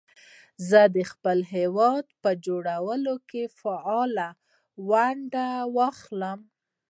زه بايد د خپل هېواد په جوړونه کې فعاله ونډه واخلم